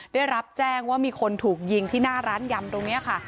ได้รับแจ้งว่ามีคนถูกยิงที่หน้าร้านยำตรงนี้ค่ะ